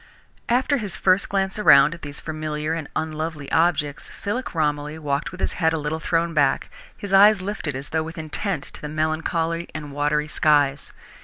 After his first glance around at these familiar and unlovely objects, Philip Romilly walked with his head a little thrown back, his eyes lifted as though with intent to the melancholy and watery skies.